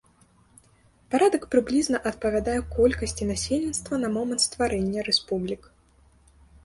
Парадак прыблізна адпавядае колькасці насельніцтва на момант стварэння рэспублік.